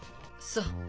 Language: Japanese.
そう。